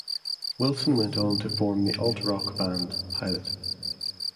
Wilson went on to form the alt-rock band Pilot.